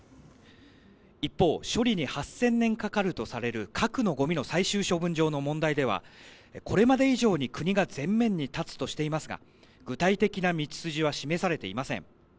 一方、処理に８０００年かかるとされる核のゴミの最終処分場の問題ではこれまで以上に国が前面に立つとしていますが具体的な道筋は示されていません。